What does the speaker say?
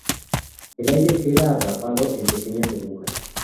El aire queda atrapado en pequeñas burbujas.